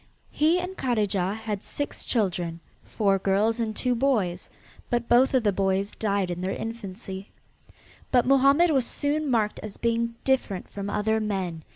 He and Kadijah had six children, four girls and two boys, but both of the boys died in their infancy. But Mohammed was soon marked as being different from other men.